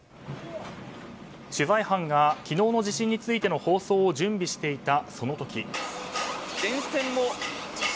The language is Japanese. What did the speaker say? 取材班が昨日の地震についての放送を準備していた、その時。